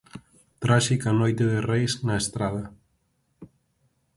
Tráxica noite de Reis na estrada.